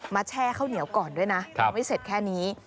แช่ข้าวเหนียวก่อนด้วยนะยังไม่เสร็จแค่นี้